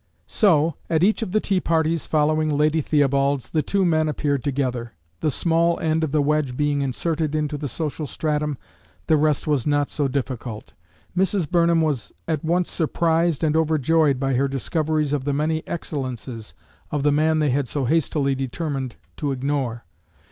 So, at each of the tea parties following Lady Theobald's, the two men appeared together. The small end of the wedge being inserted into the social stratum, the rest was not so difficult. Mrs. Burnham was at once surprised and overjoyed by her discoveries of the many excellences of the man they had so hastily determined to ignore.